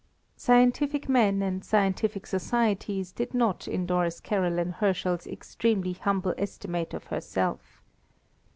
Scientific men and scientific societies did not endorse Caroline Herschel's extremely humble estimate of herself.